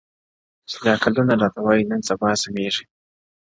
• چي دا کلونه راته وايي نن سبا سمېږي,